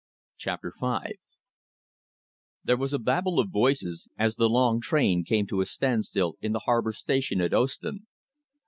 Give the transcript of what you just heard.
CHAPTER V There was a babel of voices as the long train came to a stand still in the harbour station at Ostend.